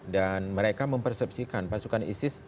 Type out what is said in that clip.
dan mereka mempersepsikan pasukan isis